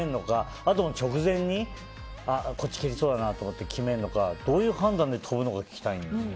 それとも直前にそっちに蹴りそうだなと決めるのか、どういう判断で飛ぶのか聞きたいです。